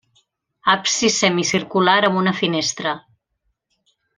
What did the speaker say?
Absis semicircular amb una finestra.